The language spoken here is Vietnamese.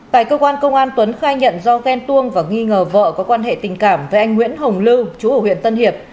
tại cơ quan công an tuấn khai nhận do ghen tuông và nghi ngờ vợ có quan hệ tình cảm với anh nguyễn hồng lưu trú ở huyện tân hiệp